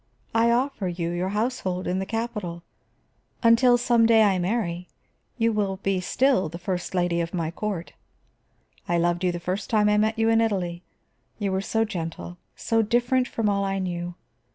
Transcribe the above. I offer you your household in the capital; until some day I marry, you will be still the first lady of my court. I loved you the first time I met you in Italy; you were so gentle, so different from all I knew.